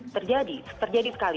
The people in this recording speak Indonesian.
terjadi terjadi sekali